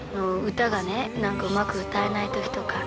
歌がね何かうまく歌えない時とか。